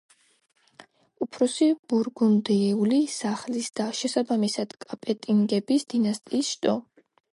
უფროსი ბურგუნდიული სახლის და, შესაბამისად კაპეტინგების დინასტიის შტო.